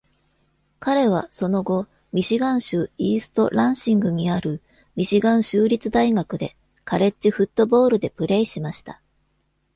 彼は、その後、ミシガン州イースト・ランシングにあるミシガン州立大学でカレッジフットボールでプレイしました。